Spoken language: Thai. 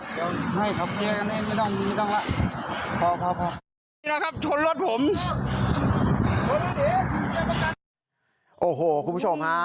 ผลโทรชนรถผมโอ้โฮคุณผู้ชมฮะ